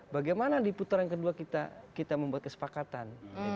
bagaimana di putaran kedua kita membuat kesepakatan